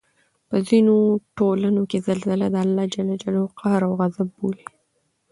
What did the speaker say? په ځینو ټولنو کې زلزله د الله ج قهر او غصب بولي